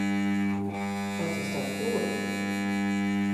Wat is dat djoer!